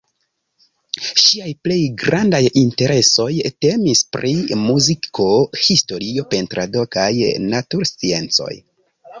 Ŝiaj plej grandaj interesoj temis pri muziko, historio, pentrado kaj natursciencoj.